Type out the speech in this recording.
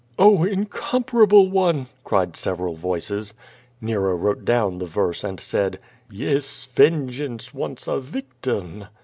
"Oh, incomparable one!" cried several voices. Nero wrote down the verse, and said: "Yes, vengeance wants a victim."